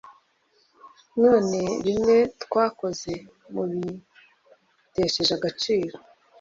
none bimwe twakoze, mubitesheje agaciro